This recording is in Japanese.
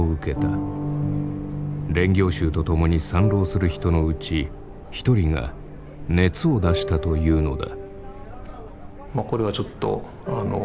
練行衆と共に参籠する人のうち一人が熱を出したというのだ。